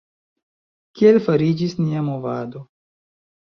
Kiel fariĝis nia movado?